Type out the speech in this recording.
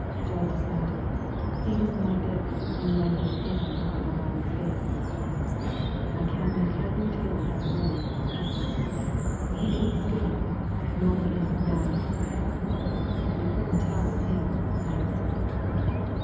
Jud dismounted, seized my bit, and ran his hand over El Mahdi's face. "I can't make head nor tail of that runnin'," he said. "He ain't scared nor he ain't mad." "You couldn't tell with him," I answered.